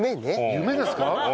夢ですか？